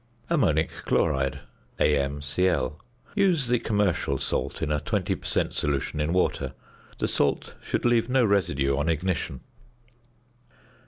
~Ammonic Chloride~, AmCl. Use the commercial salt in a 20 per cent. solution in water. The salt should leave no residue on ignition.